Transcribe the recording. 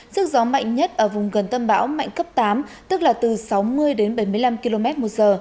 sức gió mạnh nhất ở vùng gần tâm bão mạnh cấp tám tức là từ sáu mươi đến bảy mươi năm km một giờ